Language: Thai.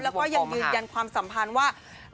แล้วก็ยังยืนยันความสัมพันธ์ว่า